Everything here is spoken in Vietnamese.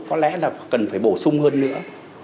có lẽ là cần phải bổ sung hơn nữa